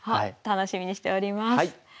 楽しみにしております。